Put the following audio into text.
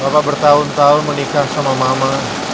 bapak bertahun tahun menikah sama mama